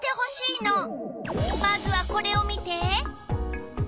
まずはこれを見て！